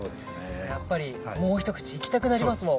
やっぱりもう一口いきたくなりますもん。